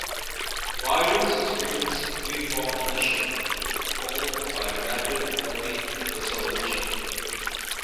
Riders experience free-fall initially, followed by rapid heavy deceleration.